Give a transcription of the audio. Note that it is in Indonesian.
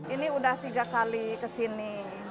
ini sudah tiga kali ke sini